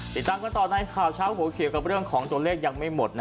ติดตามกันต่อในข่าวเช้าหัวเขียวกับเรื่องของตัวเลขยังไม่หมด